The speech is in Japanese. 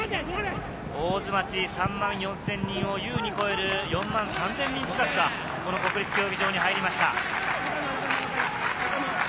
大津町、３万４０００人をゆうに超える４万３０００人近くがこの国立競技場に入りました。